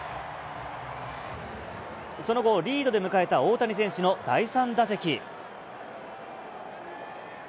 その後、リードで迎えた大谷選手の第３打席。